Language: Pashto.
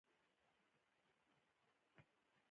د انارو شربت د تندې لپاره ښه دی.